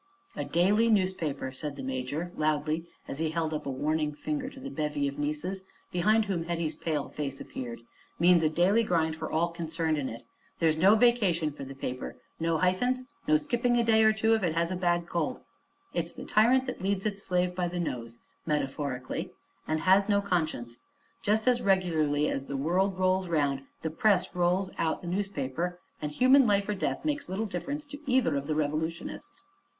"A daily newspaper," said the major, loudly, as he held up a warning finger to the bevy of nieces, behind whom Hetty's pale face appeared, "means a daily grind for all concerned in it. There's no vacation for the paper, no hyphens, no skipping a day or two if it has a bad cold; it's the tyrant that leads its slaves by the nose, metaphorically, and has no conscience. Just as regularly as the world rolls 'round the press rolls out the newspaper, and human life or death makes little difference to either of the revolutionists."